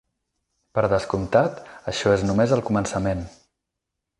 Per descomptat, això és només el començament.